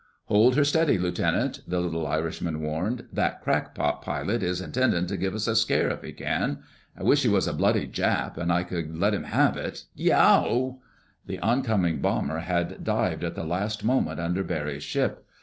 "Hold her steady, Lieutenant," the little Irishman warned. "That crackpot pilot is intendin' to give us a scare if he can. I wish he wuz a bloody Jap and I could let him have it—yeow!" The oncoming bomber had dived at the last moment under Barry's ship.